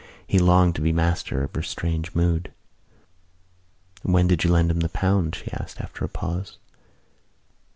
He longed to be master of her strange mood. "When did you lend him the pound?" she asked, after a pause.